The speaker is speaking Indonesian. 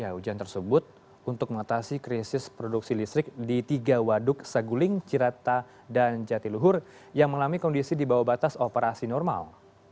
hujan tersebut untuk mengatasi krisis produksi listrik di tiga waduk saguling cirata dan jatiluhur yang mengalami kondisi di bawah batas operasi normal